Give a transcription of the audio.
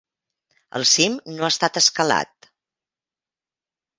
El cim no ha estat escalat.